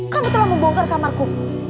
kamu telah membongkar kamarku